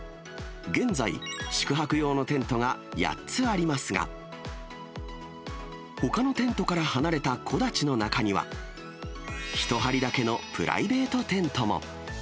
現在、宿泊用のテントが８つありますが、ほかのテントから離れた木立の中には、１張りだけのプライベートテントも。